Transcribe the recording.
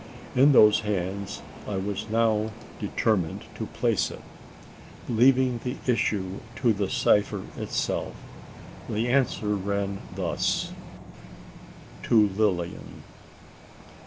In those hands I was now determined to place it leaving the issue to the cipher itself. The answer ran thus: To Lilian.